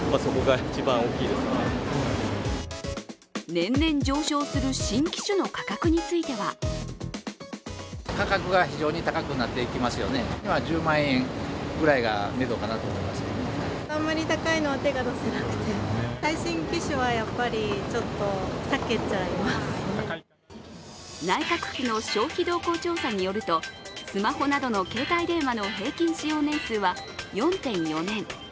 年々上昇する新機種の価格については内閣府の消費動向調査によると、スマホなどの携帯電話の平均使用年数は４．４年。